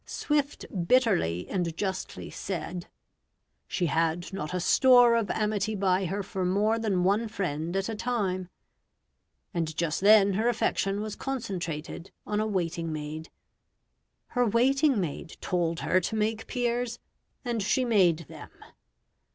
Swift bitterly and justly said "she had not a store of amity by her for more than one friend at a time," and just then her affection was concentrated on a waiting maid. Her waiting maid told her to make peers, and she made them.